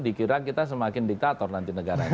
dikira kita semakin diktator nanti negara ini